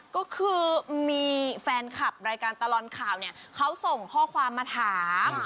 ก็คือมีแฟนคลับรายการตลอดข่าวเนี่ยเขาส่งข้อความมาถาม